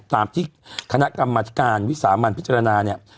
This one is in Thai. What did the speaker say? ตามที่คณะกรรมธิการวิสามันพิจารณาเนี่ย